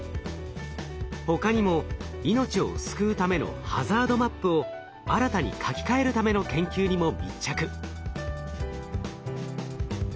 他にも命を救うためのハザードマップを新たに書き換えるための研究にも密着。